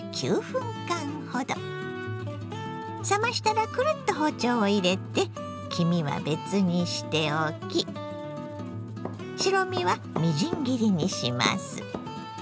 冷ましたらクルッと包丁を入れて黄身は別にしておき白身はみじん切りにします。